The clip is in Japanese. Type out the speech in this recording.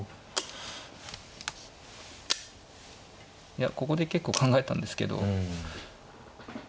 いやここで結構考えたんですけど。